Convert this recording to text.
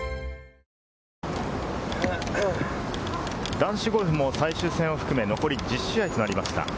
男子ゴルフも最終戦を含め、残り１０試合となりました。